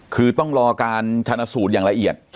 คือต้องรอการชนะสูตรอย่างละเอียด